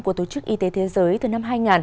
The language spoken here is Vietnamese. của tổ chức y tế thế giới từ năm hai nghìn